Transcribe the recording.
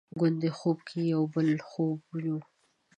ګوندې خوب کې یو بل خوب یو؟